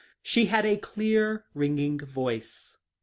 She had a clear, ringing voice.